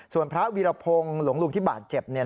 ส่วนพระวีรพงศ์หลวงลุงที่บาดเจ็บ